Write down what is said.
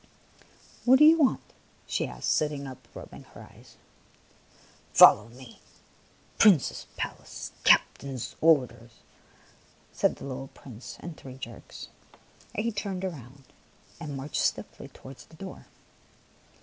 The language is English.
"What do you want?" she asked, sitting up and rubbing her eyes. " Follow me. Prince's palace. Captain's orders," said the little soldier, in three jerks ; and he turned round and marched stiffly towards the door.